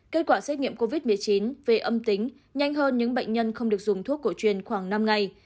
kết quả xét nghiệm covid một mươi chín về âm tính nhanh hơn những bệnh nhân không được dùng thuốc cổ truyền khoảng năm ngày